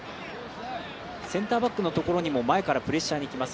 センターバックのところにも前からプレッシャーに行きます